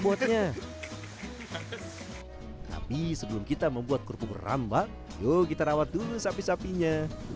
buatnya tapi sebelum kita membuat kerupuk rambak yuk kita rawat dulu sapi sapinya